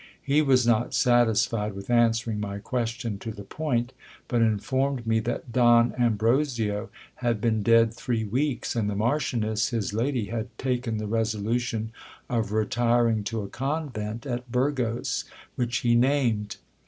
He was not satisfied with answering my question to the point ; but informed me that Don Ambrosio had been dead three weeks, and the marchioness his lady had taken the resolution of retiring to a convent at Burgos, which he named.